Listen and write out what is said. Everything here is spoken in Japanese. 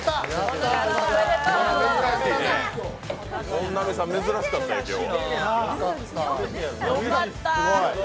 本並さん、珍しかった、今日。